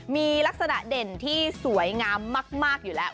มีลักษณะเด่นที่สวยงามมากอยู่แล้ว